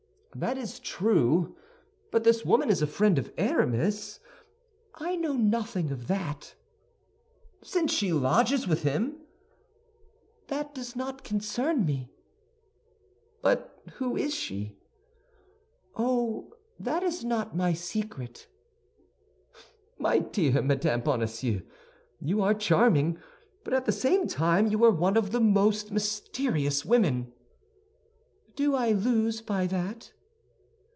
"That is true; but this woman is a friend of Aramis—" "I know nothing of that." "—since she lodges with him." "That does not concern me." "But who is she?" "Oh, that is not my secret." "My dear Madame Bonacieux, you are charming; but at the same time you are one of the most mysterious women." "Do I lose by that?"